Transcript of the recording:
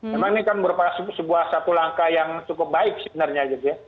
memang ini kan merupakan sebuah satu langkah yang cukup baik sebenarnya gitu ya